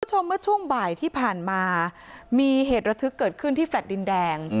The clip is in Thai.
คุณผู้ชมเมื่อช่วงบ่ายที่ผ่านมามีเหตุระทึกเกิดขึ้นที่แฟลต์ดินแดง